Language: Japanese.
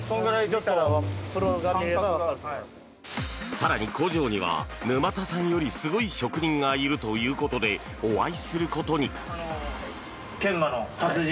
更に工場には、沼田さんよりすごい職人がいるということでお会いすることに。